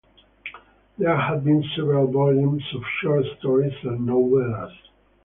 There have been several volumes of short stories and novellas.